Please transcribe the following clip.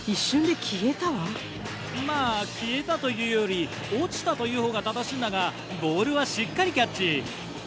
まぁ消えたというより落ちたというほうが正しいがボールはしっかりキャッチ。